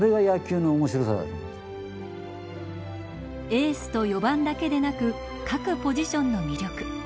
エースと４番だけでなく各ポジションの魅力。